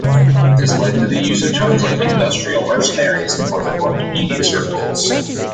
This led to use of terms like 'industrial mercenaries' in political and media circles.